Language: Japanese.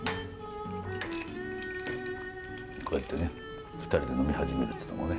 こうやってね２人で呑み始めるっていうのものね。